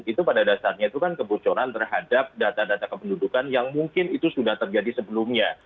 itu pada dasarnya itu kan kebocoran terhadap data data kependudukan yang mungkin itu sudah terjadi sebelumnya